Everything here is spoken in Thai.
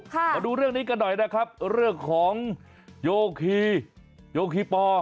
มาดูเรื่องนี้กันหน่อยนะครับเรื่องของโยคีโยคีปอ